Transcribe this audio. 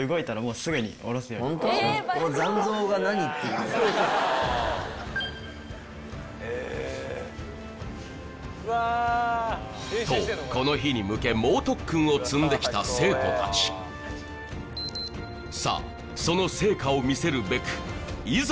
このとこの日に向け猛特訓を積んできた生徒達さあその成果を見せるべくいざ